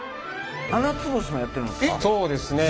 ななつ星もやってるんですか？